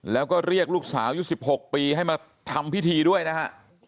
แล้วก็เรียกลูกสาวยุค๑๖ปีให้มาทำพิธีด้วยนะฮะ